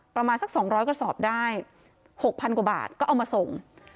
ประมาณสักสองร้อยกระสอบได้หกพันกว่าบาทก็เอามาส่ง